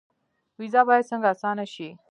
ویزه باید څنګه اسانه شي؟